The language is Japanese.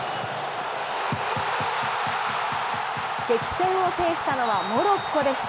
激戦を制したのはモロッコでした。